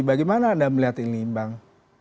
bagaimana anda melihat ini bang